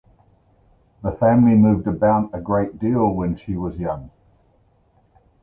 The family moved about a great deal when she was young.